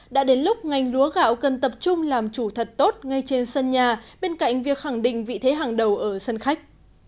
đã đến lúc ngành lúa gạo cần tập trung làm chủ thật tốt ngay trên sân nhà bên cạnh việc khẳng định vị thế hàng đầu ở sân khách